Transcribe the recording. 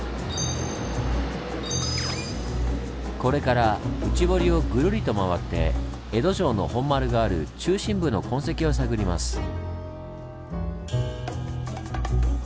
これから内堀をぐるりと回って江戸城の本丸がある中心部の痕跡を探ります。